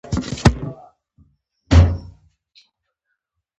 هر څوک د خپل کسب ملګری له لرې پېژني.